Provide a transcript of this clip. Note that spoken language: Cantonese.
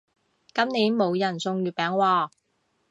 今年冇人送月餅喎